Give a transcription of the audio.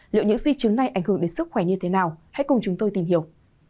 liệu những di chứng này ảnh hưởng đến sức khỏe như thế nào hãy cùng chúng tôi tìm hiểu